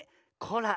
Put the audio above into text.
こら。